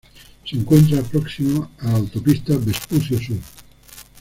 Se encuentra próxima a la Autopista Vespucio Sur.